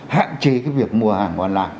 hạn chế cái việc mua hàng